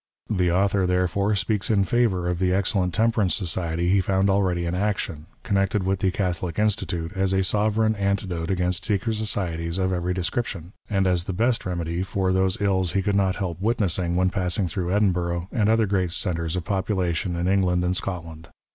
The author, therefore, speaks in favour of the excellent Temperance Society he found already in action, con nected with the Catliolic Institute, as a sovereign antidote against secret societies of every description, and as the best remedy for those ills he could not help witnessing when passing through Edinburgh, and other great centres of population in England and Scotland.